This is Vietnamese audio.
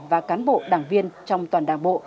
và cán bộ đảng viên trong toàn đảng bộ